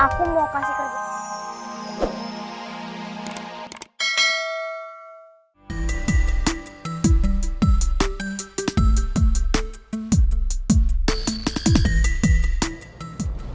aku mau kasih kerjaan